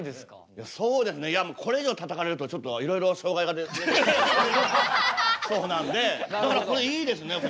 いやそうですねいやこれ以上たたかれるとちょっといろいろ障害が出てきそうなんでだからこれいいですね。